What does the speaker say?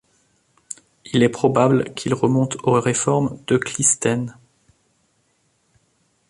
Il est probable qu'il remonte aux réformes de Clisthène.